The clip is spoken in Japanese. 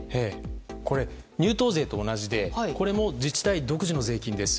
これ、入湯税と同じでこれも自治体独自の税金です。